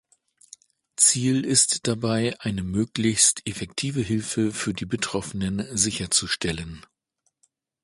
Ziel ist dabei, eine möglichst effektive Hilfe für die Betroffenen sicherzustellen.